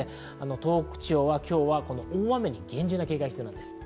東北地方は今日は大雨に厳重に警戒が必要です。